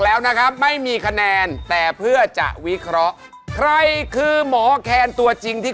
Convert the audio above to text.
แล้วตูกเขาขมิดอย่างนี้